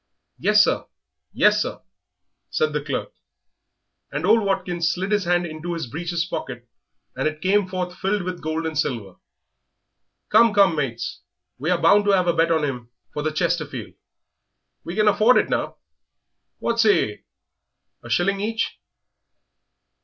"Yes, sir; yes, sir," said the clerk. And old Watkins slid his hand into his breeches pocket, and it came forth filled with gold and silver. "Come, come, mates, we are bound to 'ave a bet on him for the Chesterfield we can afford it now; what say yer, a shilling each?"